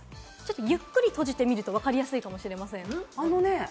ゆっくり閉じてみるとわかりやすいかもしれません。